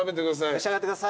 召し上がってください。